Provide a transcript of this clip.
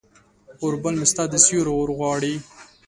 اوربل مې ستا د سیوري اورغواړي